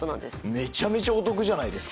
めちゃくちゃお得じゃないですか。